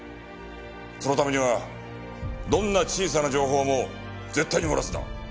そのためにはどんな小さな情報も絶対に漏らすな。